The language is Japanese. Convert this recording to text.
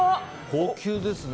高級ですね。